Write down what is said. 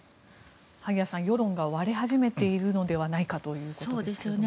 萩谷さん世論が割れ始めているのではないかということですが。